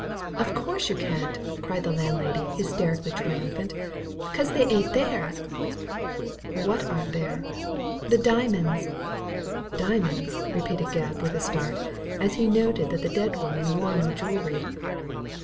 " Of course you can't 1 " cried the landlady, hysteri cally triumphant, " 'cause they ain't there I " "What aren't there?" "The diamonds!" " Diamonds 1 " repeated Gebb, with a start, as he noted that the dead woman wore no jewellery.